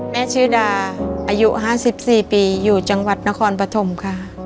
ชื่อดาอายุ๕๔ปีอยู่จังหวัดนครปฐมค่ะ